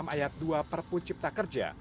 ayat dua perpucipta kerja